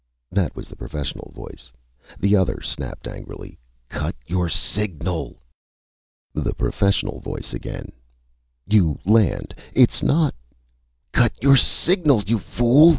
_" That was the professional voice. The other snapped angrily, "Cut your signal!" The professional voice again: "... you land. It's not...." "_Cut your signal, you fool!